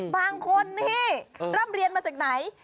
บางคนนี่ร่ำเรียนมาจากไหน